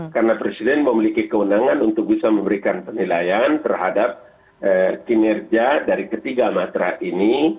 karena presiden memiliki kewenangan untuk bisa memberikan penilaian terhadap kinerja dari ketiga matra ini